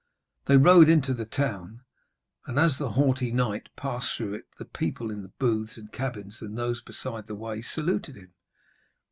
They rode into the town, and as the haughty knight passed through it the people in the booths and cabins and those beside the way saluted him.